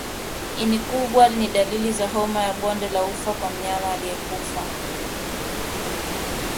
Ini kuwa kubwa ni dalili za homa ya bonde la ufa kwa mnyama aliyekufa